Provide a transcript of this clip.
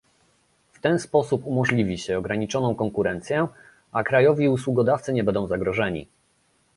W ten sposób umożliwi się ograniczoną konkurencję, a krajowi usługodawcy nie będą zagrożeni